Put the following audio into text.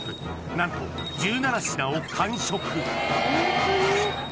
何と１７品を完食！